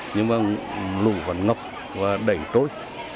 nhưng mà lụt vẫn ngập và đẩy trôi